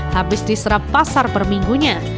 habis diserap pasar perminggunya